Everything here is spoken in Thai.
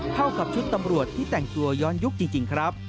เข้ากับชุดตำรวจที่แต่งตัวย้อนยุคจริงครับ